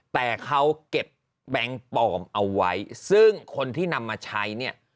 แต่เขาเก็บแบงค์ปลอมเอาไว้ซึ่งคนที่นำมาใช้เนี่ย